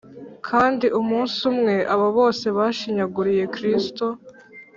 kandi umunsi umwe abo bose bashinyaguriye kristo,